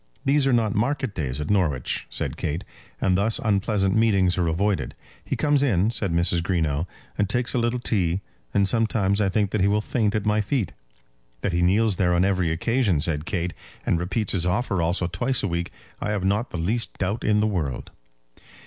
"These are not market days at Norwich," said Kate; "and thus unpleasant meetings are avoided." "He comes in," said Mrs. Greenow, "and takes a little tea; and sometimes I think that he will faint at my feet." "That he kneels there on every occasion," said Kate, "and repeats his offer also twice a week, I have not the least doubt in the world."